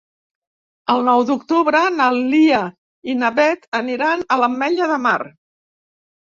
El nou d'octubre na Lia i na Beth aniran a l'Ametlla de Mar.